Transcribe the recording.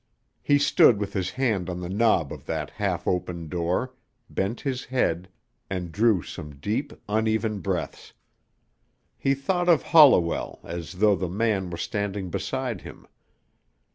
He stood with his hand on the knob of that half opened door, bent his head, and drew some deep, uneven breaths. He thought of Holliwell as though the man were standing beside him.